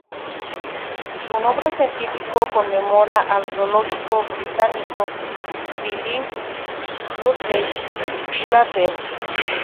Su nombre científico conmemora al zoólogo británico Philip Lutley Sclater.